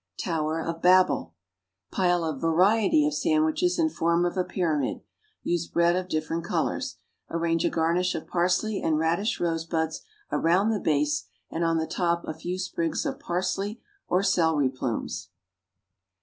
=Tower of Babel.= Pile a variety of sandwiches in form of a pyramid (use bread of different colors). Arrange a garnish of parsley and radish rosebuds around the base, and on the top a few sprigs of parsley, or celery plumes.